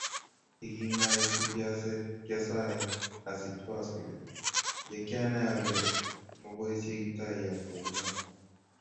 Yekingaetu kiasae asich poskilit. Ye kianai ale maboisyei Kiptaiyat ko u no